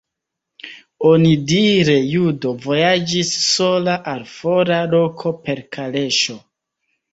Onidire judo vojaĝis sola al fora loko per kaleŝo.